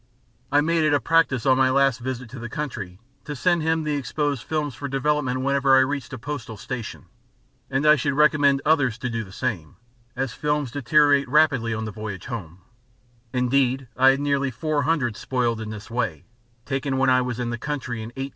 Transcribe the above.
I made it a practice on my last visit to the country to send him the exposed films for development whenever I reached a postal station, and I should recommend others to do the same, as films deteriorate rapidly on the voyage home; indeed I had nearly four hundred spoiled in this way, taken when I was in the country in 1898 99.